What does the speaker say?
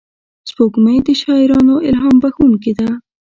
سپوږمۍ د شاعرانو الهام بښونکې ده